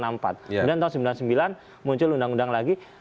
kemudian tahun sembilan puluh sembilan muncul undang undang lagi